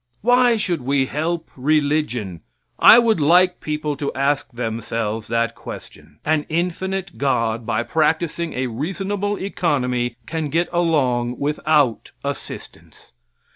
Why should we help religion? I would like people to ask themselves that question. An infinite God, by practicing a reasonable economy, can get along without assistance.